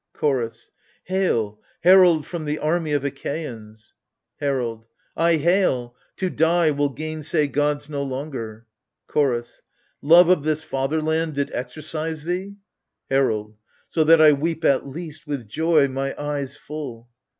CHOROS. Hail, herald from the army of Achaians ! AGAMEMNON. 45 HERALD. I hail :— to die, will gainsay gods no longer ! CHORDS. Love of this fatherland did exercise thee ? HERALD. So that I weep, at least, with joy, my eyes full.